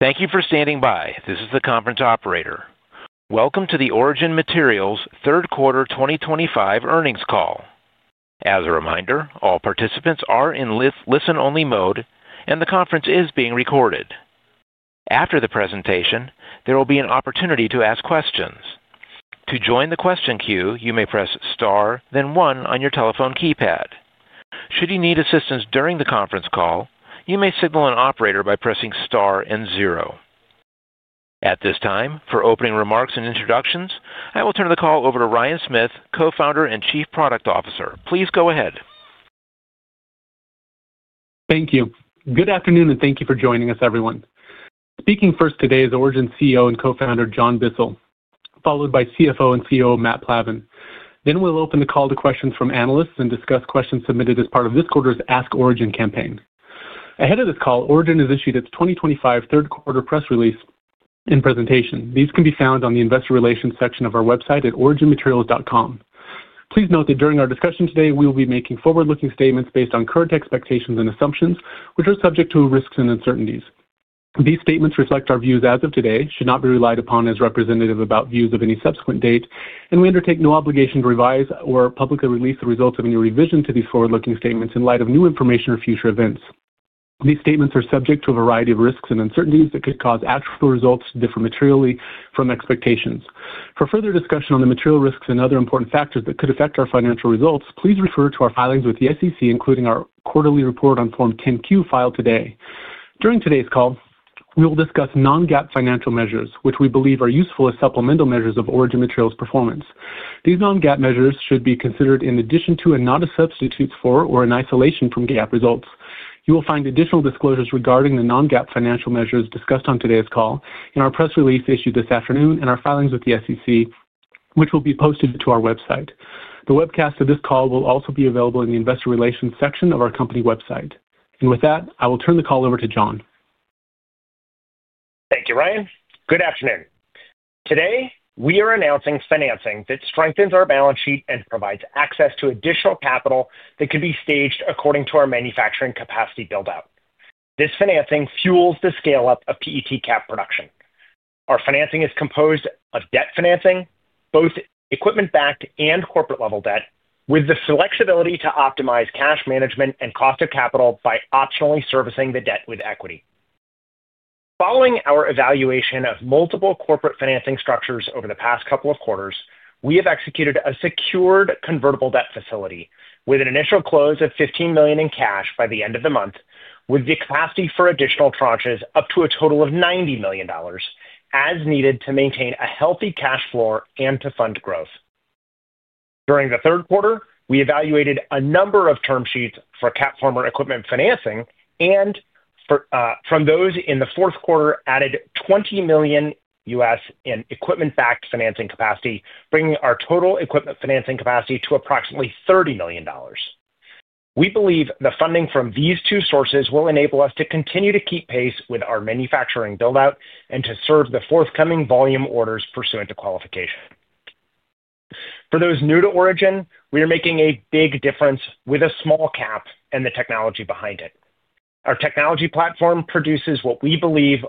Thank you for standing by. This is the conference operator. Welcome to the Origin Materials third quarter 2025 earnings call. As a reminder, all participants are in listen-only mode, and the conference is being recorded. After the presentation, there will be an opportunity to ask questions. To join the question queue, you may press star, then one on your telephone keypad. Should you need assistance during the conference call, you may signal an operator by pressing star and zero. At this time, for opening remarks and introductions, I will turn the call over to Ryan Smith, Co-founder and Chief Product Officer. Please go ahead. Thank you. Good afternoon, and thank you for joining us, everyone. Speaking first today is Origin CEO and Co-founder John Bissell, followed by CFO and COO Matt Plavan. Then we'll open the call to questions from analysts and discuss questions submitted as part of this quarter's Ask Origin campaign. Ahead of this call, Origin has issued its 2025 third quarter press release and presentation. These can be found on the investor relations section of our website at originmaterials.com. Please note that during our discussion today, we will be making forward-looking statements based on current expectations and assumptions, which are subject to risks and uncertainties. These statements reflect our views as of today, should not be relied upon as representative about views of any subsequent date, and we undertake no obligation to revise or publicly release the results of any revision to these forward-looking statements in light of new information or future events. These statements are subject to a variety of risks and uncertainties that could cause actual results to differ materially from expectations. For further discussion on the material risks and other important factors that could affect our financial results, please refer to our filings with the SEC, including our quarterly report on Form 10-Q filed today. During today's call, we will discuss non-GAAP financial measures, which we believe are useful as supplemental measures of Origin Materials' performance. These non-GAAP measures should be considered in addition to and not a substitute for or in isolation from GAAP results. You will find additional disclosures regarding the non-GAAP financial measures discussed on today's call in our press release issued this afternoon and our filings with the SEC, which will be posted to our website. The webcast of this call will also be available in the investor relations section of our company website. With that, I will turn the call over to John. Thank you, Ryan. Good afternoon. Today, we are announcing financing that strengthens our balance sheet and provides access to additional capital that can be staged according to our manufacturing capacity build-out. This financing fuels the scale-up of PET cap production. Our financing is composed of debt financing, both equipment-backed and corporate-level debt, with the flexibility to optimize cash management and cost of capital by optionally servicing the debt with equity. Following our evaluation of multiple corporate financing structures over the past couple of quarters, we have executed a secured convertible debt facility with an initial close of $15 million in cash by the end of the month, with the capacity for additional tranches up to a total of $90 million as needed to maintain a healthy cash flow and to fund growth. During the third quarter, we evaluated a number of term sheets for Cap farmer equipment financing, and from those in the fourth quarter, added $20 million in equipment-backed financing capacity, bringing our total equipment financing capacity to approximately $30 million. We believe the funding from these two sources will enable us to continue to keep pace with our manufacturing build-out and to serve the forthcoming volume orders pursuant to qualification. For those new to Origin, we are making a big difference with a small cap and the technology behind it. Our technology platform produces what we believe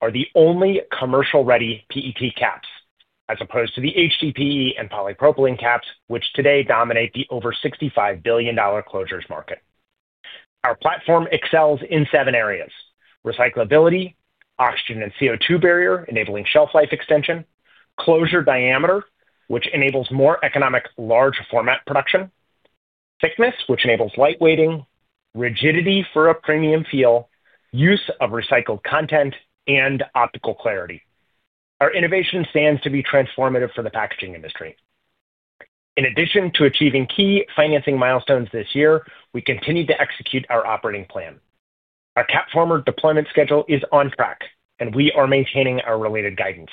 are the only commercial-ready PET caps, as opposed to the HDPE and Polypropylene caps, which today dominate the over $65 billion closures market. Our platform excels in seven areas: recyclability, oxygen and CO2 barrier, enabling shelf life extension; closure diameter, which enables more economic large-format production; thickness, which enables light weighting; rigidity for a premium feel; use of recycled content; and optical clarity. Our innovation stands to be transformative for the packaging industry. In addition to achieving key financing milestones this year, we continue to execute our operating plan. Our Cap farmer deployment schedule is on track, and we are maintaining our related guidance.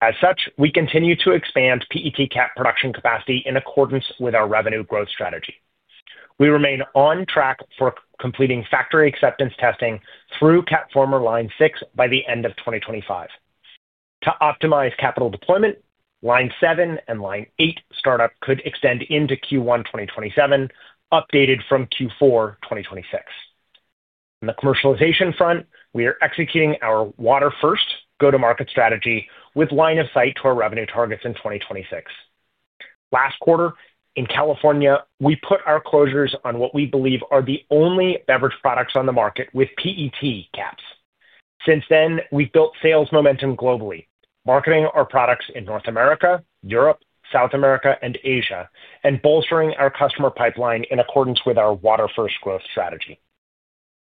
As such, we continue to expand PET cap production capacity in accordance with our revenue growth strategy. We remain on track for completing factory acceptance testing through Cap farmer line six by the end of 2025. To optimize capital deployment, line seven and line eight startup could extend into Q1 2027, updated from Q4 2026. On the commercialization front, we are executing our water-first go-to-market strategy with line of sight to our revenue targets in 2026. Last quarter, in California, we put our closures on what we believe are the only beverage products on the market with PET caps. Since then, we've built sales momentum globally, marketing our products in North America, Europe, South America, and Asia, and bolstering our customer pipeline in accordance with our water-first growth strategy.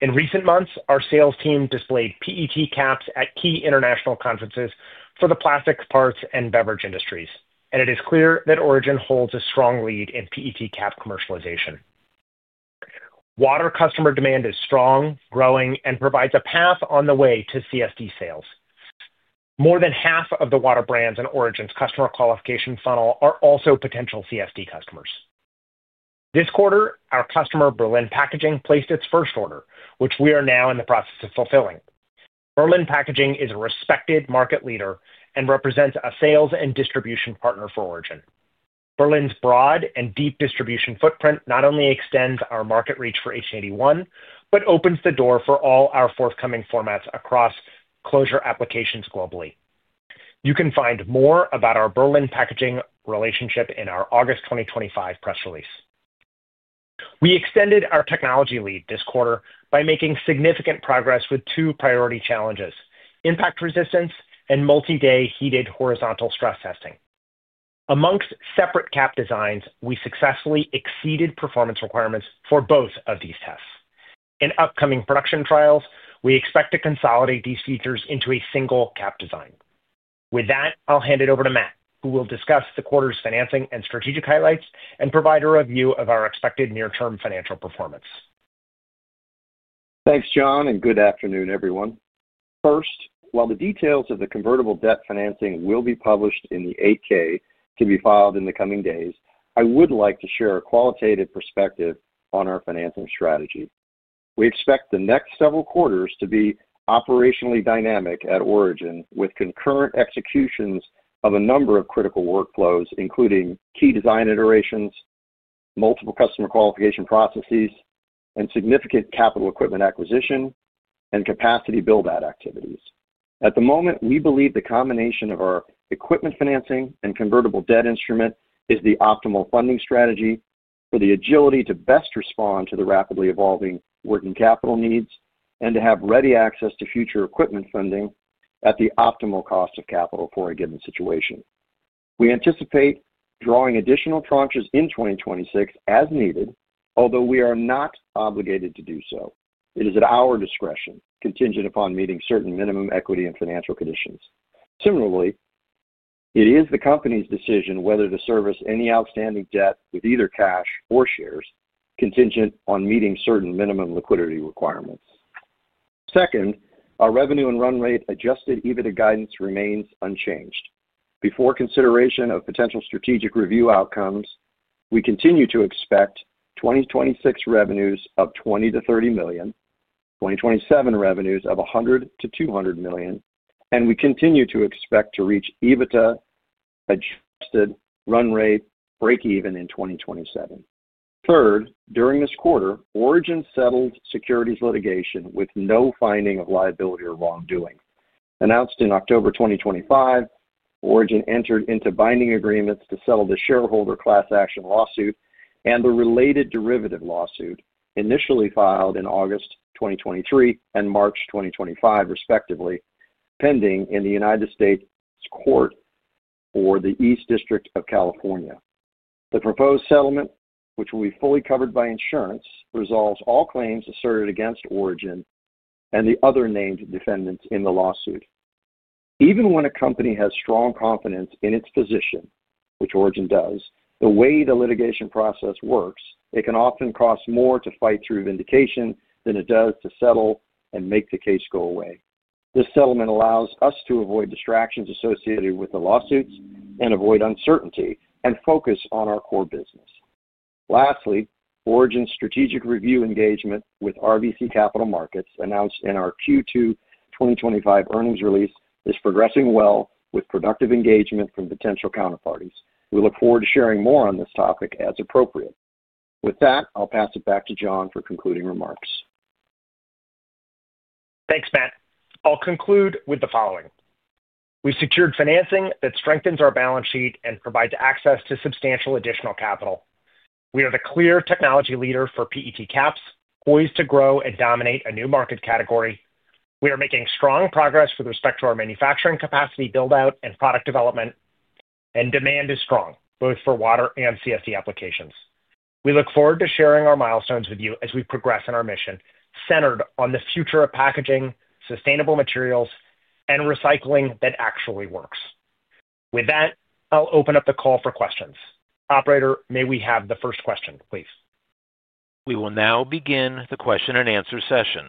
In recent months, our sales team displayed PET caps at key international conferences for the plastics, parts, and beverage industries, and it is clear that Origin holds a strong lead in PET cap commercialization. Water customer demand is strong, growing, and provides a path on the way to CSD sales. More than half of the water brands in Origin's customer qualification funnel are also potential CSD customers. This quarter, our customer Berlin Packaging placed its first order, which we are now in the process of fulfilling. Berlin Packaging is a respected market leader and represents a sales and distribution partner for Origin. Berlin's broad and deep distribution footprint not only extends our market reach for H-81, but opens the door for all our forthcoming formats across closure applications globally. You can find more about our Berlin Packaging relationship in our August 2025 press release. We extended our technology lead this quarter by making significant progress with two priority challenges: impact resistance and multi-day heated horizontal stress testing. Amongst separate cap designs, we successfully exceeded performance requirements for both of these tests. In upcoming production trials, we expect to consolidate these features into a single cap design. With that, I'll hand it over to Matt, who will discuss the quarter's financing and strategic highlights and provide a review of our expected near-term financial performance. Thanks, John, and good afternoon, everyone. First, while the details of the convertible debt financing will be published in the 8-K to be filed in the coming days, I would like to share a qualitative perspective on our financing strategy. We expect the next several quarters to be operationally dynamic at Origin, with concurrent executions of a number of critical workflows, including key design iterations, multiple customer qualification processes, and significant capital equipment acquisition and capacity build-out activities. At the moment, we believe the combination of our equipment financing and convertible debt instrument is the optimal funding strategy for the agility to best respond to the rapidly evolving working capital needs and to have ready access to future equipment funding at the optimal cost of capital for a given situation. We anticipate drawing additional tranches in 2026 as needed, although we are not obligated to do so. It is at our discretion, contingent upon meeting certain minimum equity and financial conditions. Similarly, it is the company's decision whether to service any outstanding debt with either cash or shares, contingent on meeting certain minimum liquidity requirements. Second, our revenue and run rate adjusted EBITDA guidance remains unchanged. Before consideration of potential strategic review outcomes, we continue to expect 2026 revenues of $20-$30 million, 2027 revenues of $100-$200 million, and we continue to expect to reach EBITDA adjusted run rate break-even in 2027. Third, during this quarter, Origin settled securities litigation with no finding of liability or wrongdoing. Announced in October 2025, Origin entered into binding agreements to settle the shareholder class action lawsuit and the related derivative lawsuit, initially filed in August 2023 and March 2025, respectively, pending in the U.S. Court for the Eastern District of California. The proposed settlement, which will be fully covered by insurance, resolves all claims asserted against Origin and the other named defendants in the lawsuit. Even when a company has strong confidence in its position, which Origin does, the way the litigation process works, it can often cost more to fight through vindication than it does to settle and make the case go away. This settlement allows us to avoid distractions associated with the lawsuits and avoid uncertainty and focus on our core business. Lastly, Origin's strategic review engagement with RBC Capital Markets, announced in our Q2 2025 earnings release, is progressing well with productive engagement from potential counterparties. We look forward to sharing more on this topic as appropriate. With that, I'll pass it back to John for concluding remarks. Thanks, Matt. I'll conclude with the following. We secured financing that strengthens our balance sheet and provides access to substantial additional capital. We are the clear technology leader for PET caps, poised to grow and dominate a new market category. We are making strong progress with respect to our manufacturing capacity build-out and product development, and demand is strong, both for water and CSD applications. We look forward to sharing our milestones with you as we progress in our mission centered on the future of packaging, sustainable materials, and recycling that actually works. With that, I'll open up the call for questions. Operator, may we have the first question, please? We will now begin the question and answer session.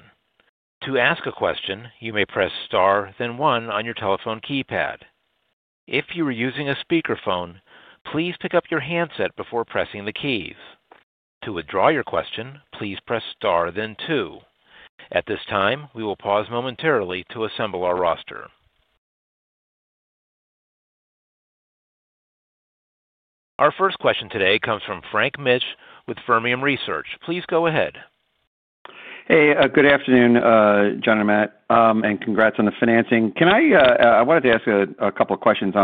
To ask a question, you may press star, then one on your telephone keypad. If you are using a speakerphone, please pick up your handset before pressing the keys. To withdraw your question, please press star, then two. At this time, we will pause momentarily to assemble our roster. Our first question today comes from Frank Mitsch with Fermium Research. Please go ahead. Hey, good afternoon, John and Matt, and congrats on the financing. Can I—I wanted to ask a couple of questions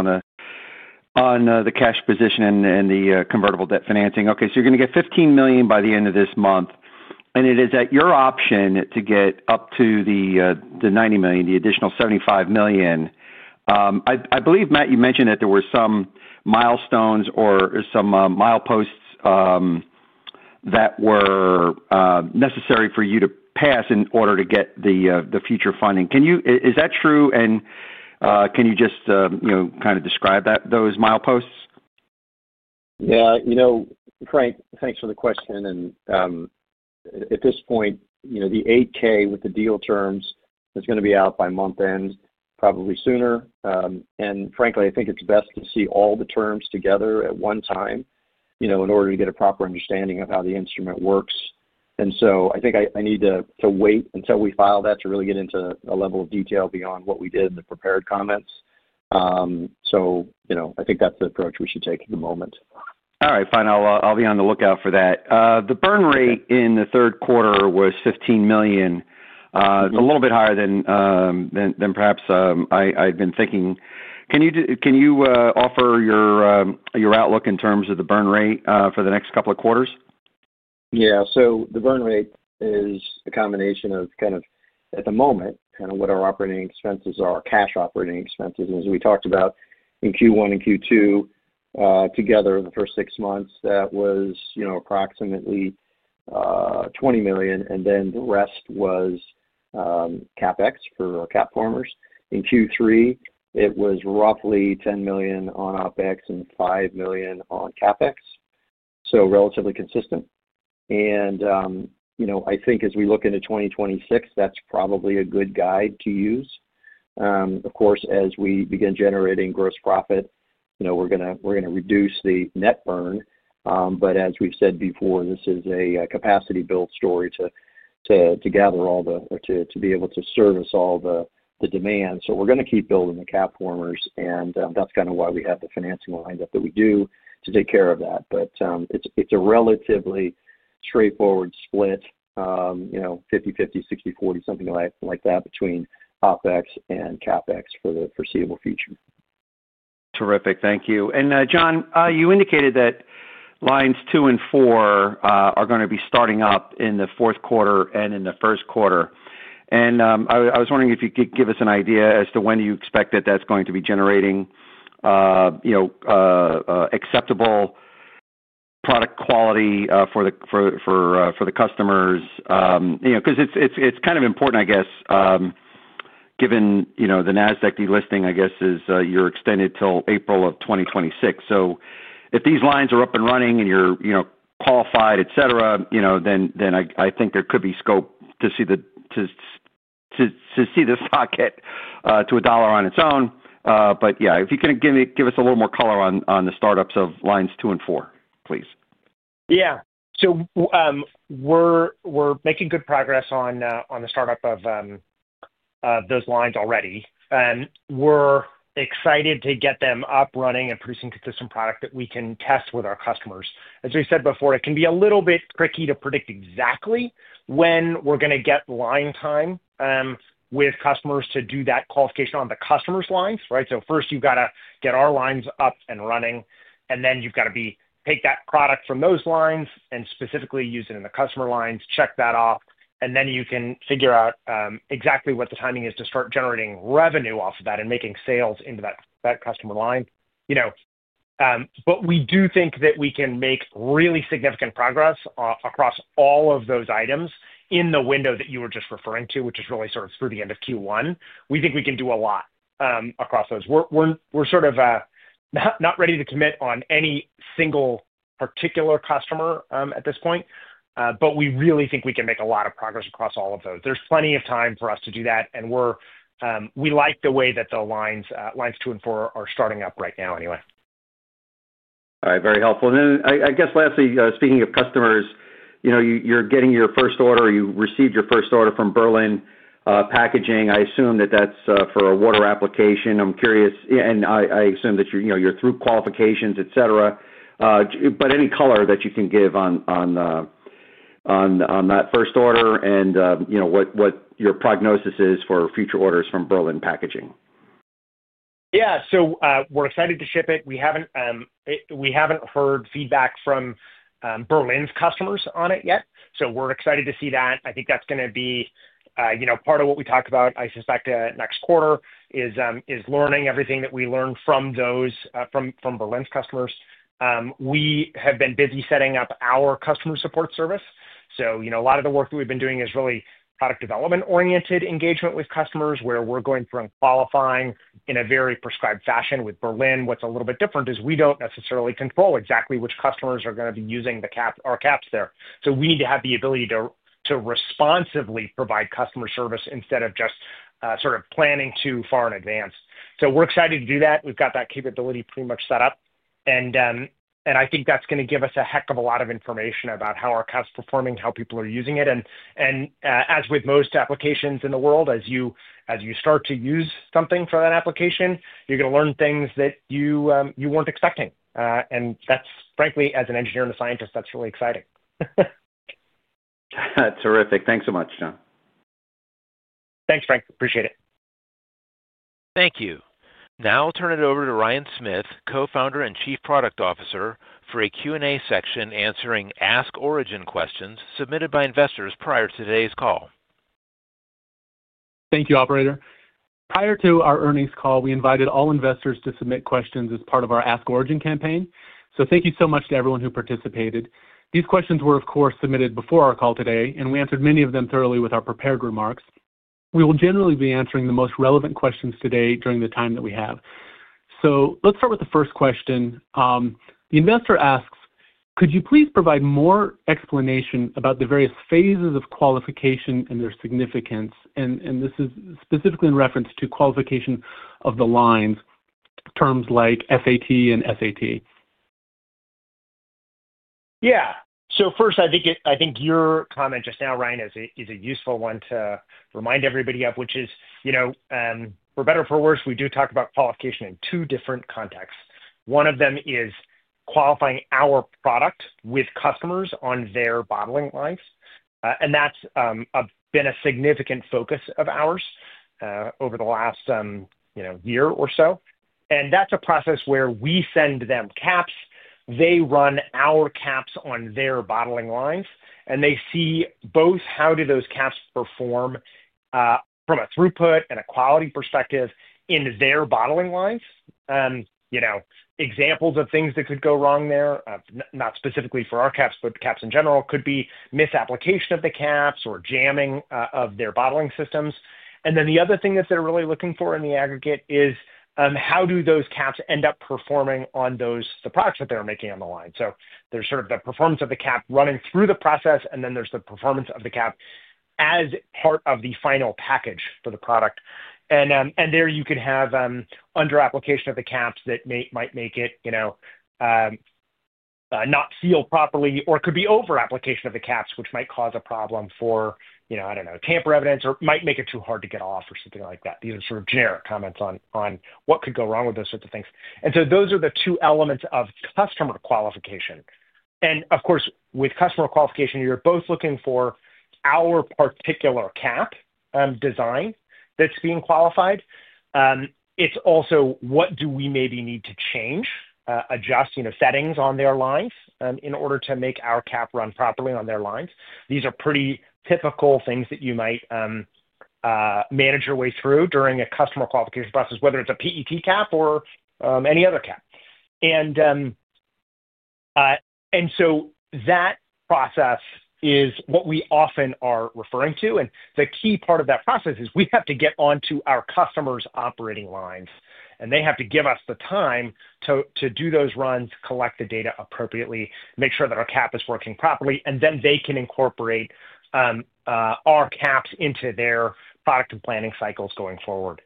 on the cash position and the convertible debt financing. Okay, so you're going to get $15 million by the end of this month, and it is at your option to get up to the $90 million, the additional $75 million. I believe, Matt, you mentioned that there were some milestones or some mileposts that were necessary for you to pass in order to get the future funding. Is that true, and can you just kind of describe those mileposts? Yeah. You know, Frank, thanks for the question. At this point, the 8-K with the deal terms is going to be out by month end, probably sooner. Frankly, I think it's best to see all the terms together at one time in order to get a proper understanding of how the instrument works. I think I need to wait until we file that to really get into a level of detail beyond what we did in the prepared comments. I think that's the approach we should take at the moment. All right, fine. I'll be on the lookout for that. The burn rate in the third quarter was $15 million. It's a little bit higher than perhaps I've been thinking. Can you offer your outlook in terms of the burn rate for the next couple of quarters? Yeah. So the burn rate is a combination of kind of, at the moment, kind of what our operating expenses are, cash operating expenses. And as we talked about in Q1 and Q2 together in the first six months, that was approximately $20 million, and then the rest was CapEx for our cap farmers. In Q3, it was roughly $10 million on OpEx and $5 million on CapEx, so relatively consistent. I think as we look into 2026, that's probably a good guide to use. Of course, as we begin generating gross profit, we're going to reduce the net burn. As we've said before, this is a capacity-built story to gather all the or to be able to service all the demand. We're going to keep building the cap farmers, and that's kind of why we have the financing lines that we do to take care of that. It's a relatively straightforward split, 50/50, 60/40, something like that, between OpEx and CapEx for the foreseeable future. Terrific. Thank you. John, you indicated that lines two and four are going to be starting up in the fourth quarter and in the first quarter. I was wondering if you could give us an idea as to when you expect that that's going to be generating acceptable product quality for the customers. Because it's kind of important, I guess, given the Nasdaq delisting, I guess, as you're extended till April of 2026. If these lines are up and running and you're qualified, etc., then I think there could be scope to see the stock get to a dollar on its own. If you can give us a little more color on the startups of lines two and four, please. Yeah. We're making good progress on the startup of those lines already. We're excited to get them up and running and producing consistent product that we can test with our customers. As we said before, it can be a little bit tricky to predict exactly when we're going to get line time with customers to do that qualification on the customer's lines, right? First, you've got to get our lines up and running, and then you've got to take that product from those lines and specifically use it in the customer lines, check that off, and then you can figure out exactly what the timing is to start generating revenue off of that and making sales into that customer line. We do think that we can make really significant progress across all of those items in the window that you were just referring to, which is really sort of through the end of Q1. We think we can do a lot across those. We're sort of not ready to commit on any single particular customer at this point, but we really think we can make a lot of progress across all of those. There's plenty of time for us to do that, and we like the way that the lines two and four are starting up right now anyway. All right. Very helpful. I guess lastly, speaking of customers, you're getting your first order. You received your first order from Berlin Packaging. I assume that that's for a water application. I'm curious, and I assume that you're through qualifications, etc., but any color that you can give on that first order and what your prognosis is for future orders from Berlin Packaging. Yeah. We are excited to ship it. We have not heard feedback from Berlin's customers on it yet, so we are excited to see that. I think that is going to be part of what we talk about, I suspect, next quarter is learning everything that we learn from Berlin's customers. We have been busy setting up our customer support service. A lot of the work that we have been doing is really product development-oriented engagement with customers where we are going through and qualifying in a very prescribed fashion with Berlin. What is a little bit different is we do not necessarily control exactly which customers are going to be using our caps there. We need to have the ability to responsively provide customer service instead of just sort of planning too far in advance. We are excited to do that. We've got that capability pretty much set up, and I think that's going to give us a heck of a lot of information about how our cap's performing, how people are using it. As with most applications in the world, as you start to use something for that application, you're going to learn things that you weren't expecting. Frankly, as an engineer and a scientist, that's really exciting. Terrific. Thanks so much, John. Thanks, Frank. Appreciate it. Thank you. Now I'll turn it over to Ryan Smith, Co-founder and Chief Product Officer, for a Q&A section answering Ask Origin questions submitted by investors prior to today's call. Thank you, Operator. Prior to our earnings call, we invited all investors to submit questions as part of our Ask Origin campaign. Thank you so much to everyone who participated. These questions were, of course, submitted before our call today, and we answered many of them thoroughly with our prepared remarks. We will generally be answering the most relevant questions today during the time that we have. Let's start with the first question. The investor asks, "Could you please provide more explanation about the various phases of qualification and their significance?" This is specifically in reference to qualification of the lines, terms like FAT and SAT. Yeah. First, I think your comment just now, Ryan, is a useful one to remind everybody of, which is for better or for worse, we do talk about qualification in two different contexts. One of them is qualifying our product with customers on their bottling lines. That's been a significant focus of ours over the last year or so. That's a process where we send them caps. They run our caps on their bottling lines, and they see both how do those caps perform from a throughput and a quality perspective in their bottling lines. Examples of things that could go wrong there, not specifically for our caps, but caps in general, could be misapplication of the caps or jamming of their bottling systems. The other thing that they're really looking for in the aggregate is how do those caps end up performing on the products that they're making on the line. There is sort of the performance of the cap running through the process, and then there is the performance of the cap as part of the final package for the product. There you could have under-application of the caps that might make it not seal properly or could be over-application of the caps, which might cause a problem for, I don't know, tamper evidence or might make it too hard to get off or something like that. These are sort of generic comments on what could go wrong with those sorts of things. Those are the two elements of customer qualification. Of course, with customer qualification, you're both looking for our particular cap design that's being qualified. It's also what do we maybe need to change, adjust settings on their lines in order to make our cap run properly on their lines. These are pretty typical things that you might manage your way through during a customer qualification process, whether it's a PET cap or any other cap. That process is what we often are referring to. The key part of that process is we have to get onto our customer's operating lines, and they have to give us the time to do those runs, collect the data appropriately, make sure that our cap is working properly, and then they can incorporate our caps into their product and planning cycles going forward.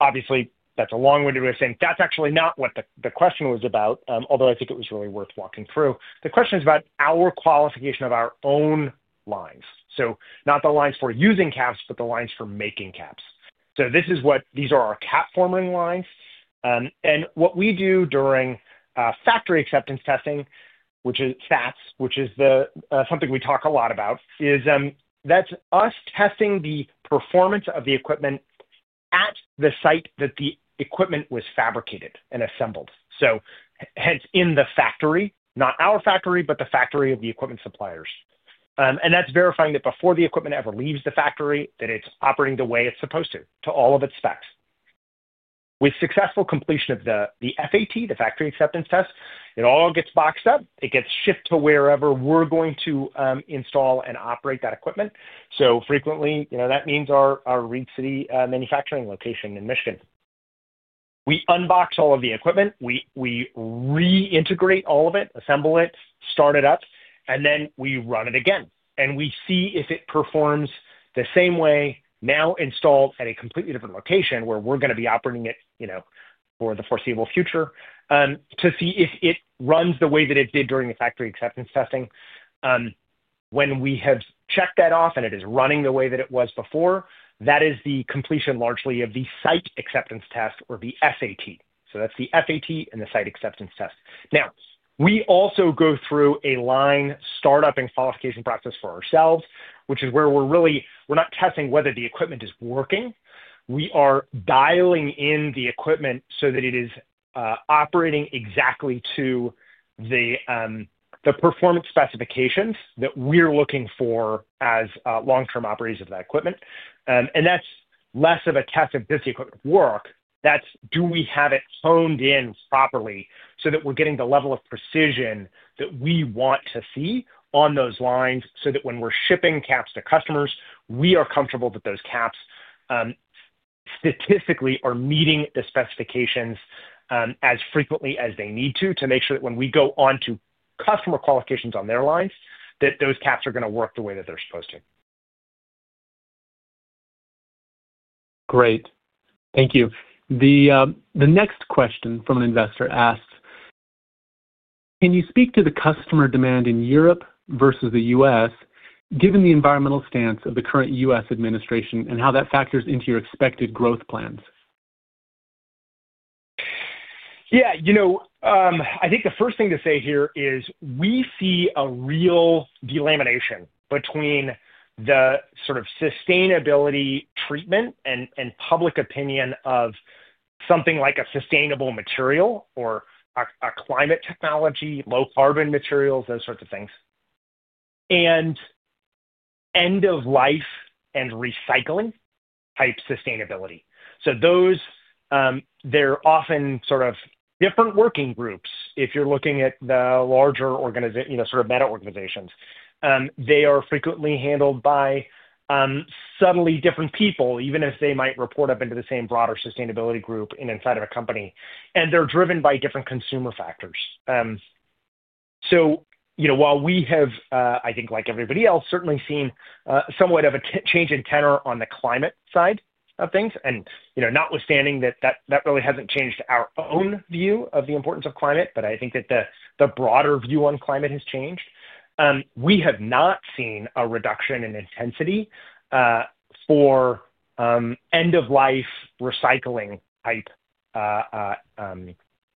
Obviously, that's a long-winded way of saying that's actually not what the question was about, although I think it was really worth walking through. The question is about our qualification of our own lines. Not the lines for using caps, but the lines for making caps. These are our cap forming lines. What we do during factory acceptance testing, which is FAT, which is something we talk a lot about, is that's us testing the performance of the equipment at the site that the equipment was fabricated and assembled. Hence in the factory, not our factory, but the factory of the equipment suppliers. That's verifying that before the equipment ever leaves the factory, that it's operating the way it's supposed to, to all of its specs. With successful completion of the FAT, the factory acceptance test, it all gets boxed up. It gets shipped to wherever we're going to install and operate that equipment. Frequently, that means our Reed City manufacturing location in Michigan. We unbox all of the equipment. We reintegrate all of it, assemble it, start it up, and then we run it again. We see if it performs the same way now installed at a completely different location where we're going to be operating it for the foreseeable future to see if it runs the way that it did during the factory acceptance testing. When we have checked that off and it is running the way that it was before, that is the completion largely of the site acceptance test or the SAT. That is the FAT and the site acceptance test. Now, we also go through a line startup and qualification process for ourselves, which is where we're really not testing whether the equipment is working. We are dialing in the equipment so that it is operating exactly to the performance specifications that we're looking for as long-term operators of that equipment. That's less of a test of does the equipment work. That's do we have it honed in properly so that we're getting the level of precision that we want to see on those lines so that when we're shipping caps to customers, we are comfortable that those caps statistically are meeting the specifications as frequently as they need to to make sure that when we go on to customer qualifications on their lines, that those caps are going to work the way that they're supposed to. Great. Thank you. The next question from an investor asks, "Can you speak to the customer demand in Europe versus the U.S. given the environmental stance of the current U.S. administration and how that factors into your expected growth plans? Yeah. I think the first thing to say here is we see a real delamination between the sort of sustainability treatment and public opinion of something like a sustainable material or a climate technology, low-carbon materials, those sorts of things, and end-of-life and recycling-type sustainability. They are often sort of different working groups. If you're looking at the larger sort of meta organizations, they are frequently handled by subtly different people, even if they might report up into the same broader sustainability group and inside of a company. They are driven by different consumer factors. While we have, I think like everybody else, certainly seen somewhat of a change in tenor on the climate side of things, and notwithstanding that that really hasn't changed our own view of the importance of climate, I think that the broader view on climate has changed. We have not seen a reduction in intensity for end-of-life recycling-type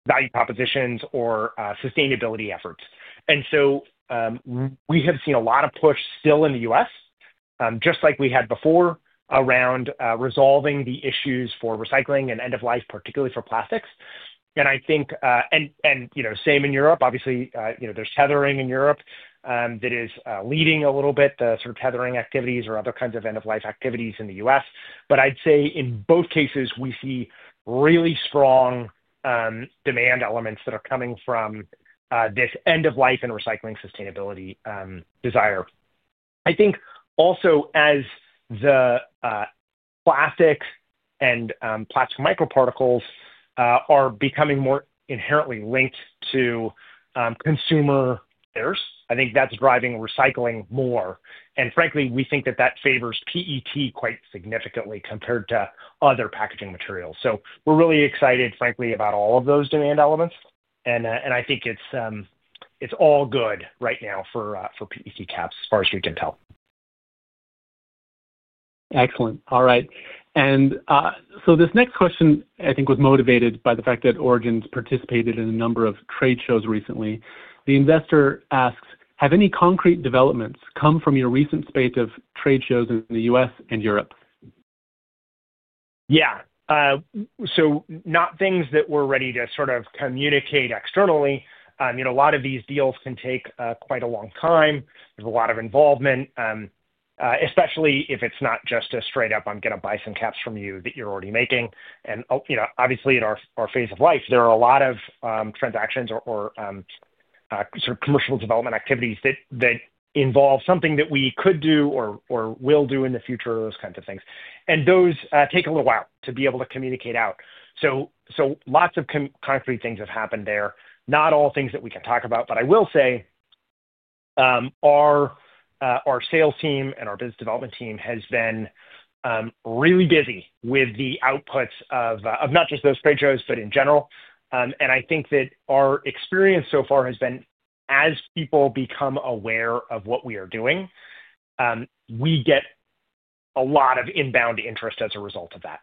value propositions or sustainability efforts. We have seen a lot of push still in the U.S., just like we had before around resolving the issues for recycling and end-of-life, particularly for plastics. I think, and same in Europe, obviously, there is tethering in Europe that is leading a little bit, the sort of tethering activities or other kinds of end-of-life activities in the U.S. I would say in both cases, we see really strong demand elements that are coming from this end-of-life and recycling sustainability desire. I think also as the plastics and plastic microparticles are becoming more inherently linked to consumer cares, I think that is driving recycling more. Frankly, we think that favors PET quite significantly compared to other packaging materials. We are really excited, frankly, about all of those demand elements. I think it's all good right now for PET caps as far as we can tell. Excellent. All right. This next question, I think, was motivated by the fact that Origin's participated in a number of trade shows recently. The investor asks, "Have any concrete developments come from your recent spate of trade shows in the U.S. and Europe? Yeah. Not things that we're ready to sort of communicate externally. A lot of these deals can take quite a long time. There's a lot of involvement, especially if it's not just a straight-up, "I'm going to buy some caps from you that you're already making." Obviously, in our phase of life, there are a lot of transactions or sort of commercial development activities that involve something that we could do or will do in the future, those kinds of things. Those take a little while to be able to communicate out. Lots of concrete things have happened there. Not all things that we can talk about, but I will say our sales team and our business development team has been really busy with the outputs of not just those trade shows, but in general. I think that our experience so far has been as people become aware of what we are doing, we get a lot of inbound interest as a result of that.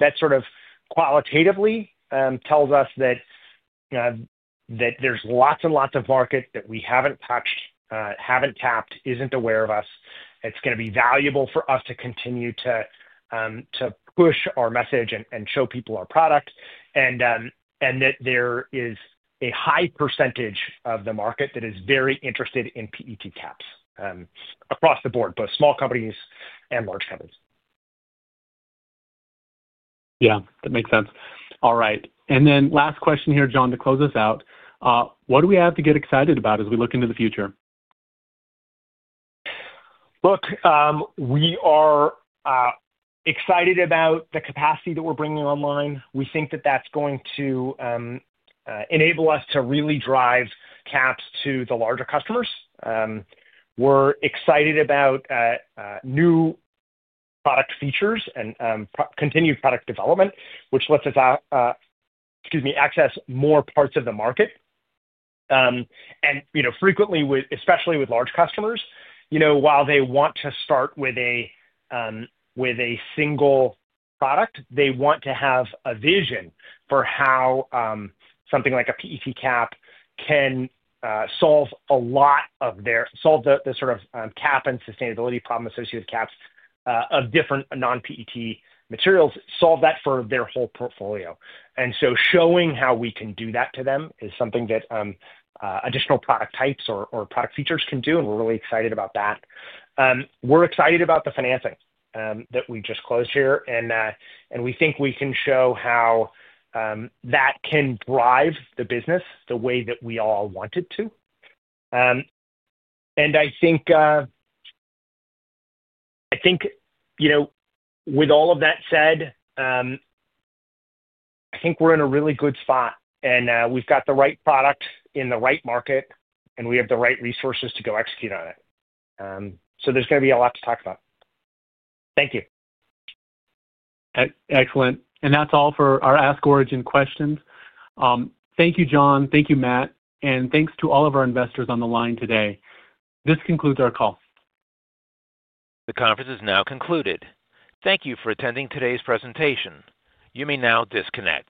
That sort of qualitatively tells us that there are lots and lots of markets that we have not touched, have not tapped, are not aware of us. It is going to be valuable for us to continue to push our message and show people our product, and that there is a high percentage of the market that is very interested in PET caps across the board, both small companies and large companies. Yeah. That makes sense. All right. And then last question here, John, to close us out. What do we have to get excited about as we look into the future? Look, we are excited about the capacity that we're bringing online. We think that that's going to enable us to really drive caps to the larger customers. We're excited about new product features and continued product development, which lets us, excuse me, access more parts of the market. Frequently, especially with large customers, while they want to start with a single product, they want to have a vision for how something like a PET cap can solve a lot of their, solve the sort of cap and sustainability problem associated with caps of different non-PET materials, solve that for their whole portfolio. Showing how we can do that to them is something that additional product types or product features can do, and we're really excited about that. We're excited about the financing that we just closed here, and we think we can show how that can drive the business the way that we all want it to. I think with all of that said, I think we're in a really good spot, and we've got the right product in the right market, and we have the right resources to go execute on it. There's going to be a lot to talk about. Thank you. Excellent. That is all for our Ask Origin questions. Thank you, John. Thank you, Matt. Thanks to all of our investors on the line today. This concludes our call. The conference is now concluded. Thank you for attending today's presentation. You may now disconnect.